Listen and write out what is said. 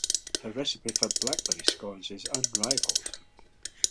Her recipe for blackberry scones is unrivaled.